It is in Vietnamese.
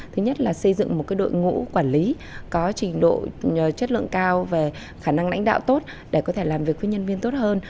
thứ nhất là xây dựng một đội ngũ quản lý có trình độ chất lượng cao và khả năng lãnh đạo tốt để có thể làm việc với nhân viên tốt hơn